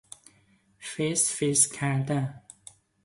فسفس کردن